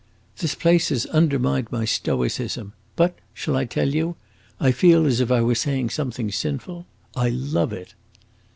This place has undermined my stoicism, but shall I tell you? I feel as if I were saying something sinful I love it!"